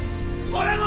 俺も！